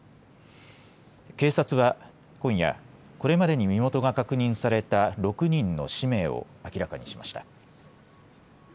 警察は今夜これまでに身元が確認された６人の氏名を明らかにしました。